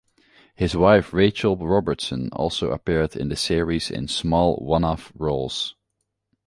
His wife Rachel Robertson also appeared in the series in small one-off roles.